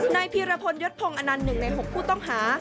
พีรพลยศพงศ์อนันต์๑ใน๖ผู้ต้องหา